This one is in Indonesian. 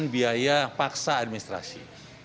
pembebanan biaya paksa administrasi